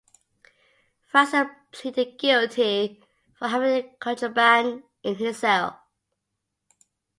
Francis pleaded guilty for having contraband in his cell.